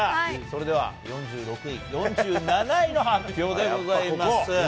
それでは４６位、４７位の発表でございます。